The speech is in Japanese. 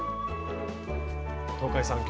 東海さん